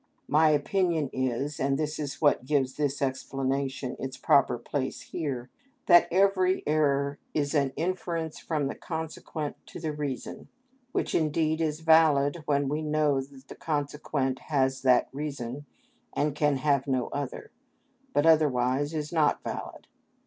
My opinion is (and this is what gives this explanation its proper place here) that every error is an inference from the consequent to the reason, which indeed is valid when we know that the consequent has that reason and can have no other; but otherwise is not valid.